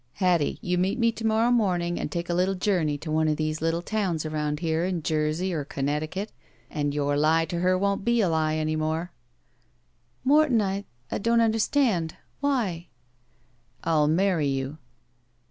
i66 THE SMUDGE "Hattie, you meet me to morrow morning and take a little journey to one of these little towns around here in Jersey or Connecticut, and your lie to her won't be a lie any more." "Morton— I— I don't understand. Why?" ''I'll marry you."